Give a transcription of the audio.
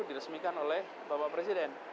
diresmikan oleh bapak presiden